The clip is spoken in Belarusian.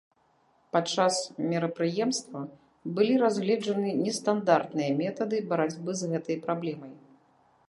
Падчас мерапрыемства былі разгледжаны нестандартныя метады барацьбы з гэтай праблемай.